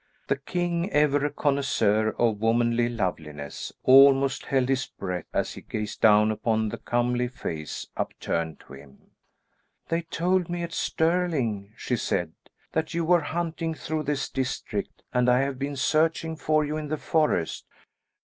The king, ever a connoisseur of womanly loveliness, almost held his breath as he gazed down upon the comely face upturned to him. "They told me at Stirling," she said, "that you were hunting through this district, and I have been searching for you in the forest."